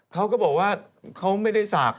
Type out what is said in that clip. เขาก็บอกว่าเขาไม่ได้ศักดิ์